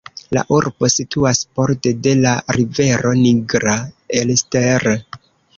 La urbo situas borde de la rivero Nigra Elster.